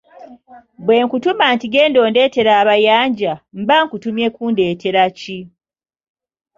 Bwe nkutuma nti genda ondeetere abayanja, mba nkutumye kundeetera ki?